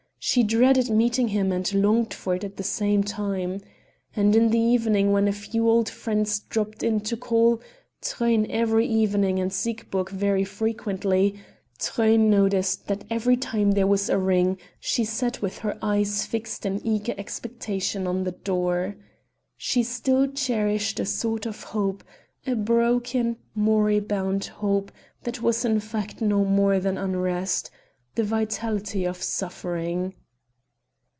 She dreaded meeting him and longed for it all the same. And in the evening when a few old friends dropped in to call Truyn every evening and Siegburg very frequently Truyn noticed that every time there was a ring she sat with her eyes fixed in eager expectation on the door. She still cherished a sort of hope a broken, moribund hope that was in fact no more than unrest the vitality of suffering.